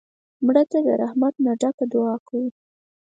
مړه ته د رحمت نه ډکه دعا کوو